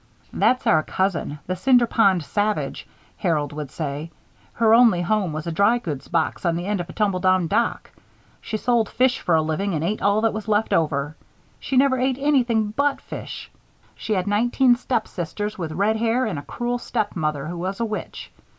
"That's our cousin, the Cinder Pond Savage," Harold would say. "Her only home was a drygoods box on the end of a tumble down dock. She sold fish for a living and ate all that were left over. She never ate anything but fish. She had nineteen stepsisters with red hair, and a cruel stepmother, who was a witch.